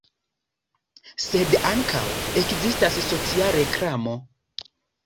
Sed ankaŭ ekzistas socia reklamo.